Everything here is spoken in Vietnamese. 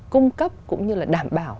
cung cấp cũng như là đảm bảo